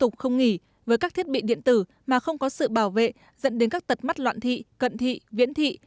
tục không nghỉ với các thiết bị điện tử mà không có sự bảo vệ dẫn đến các tật mắt loạn thị cận thị viễn thị